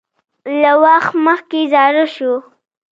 له وخت مخکې زاړه شو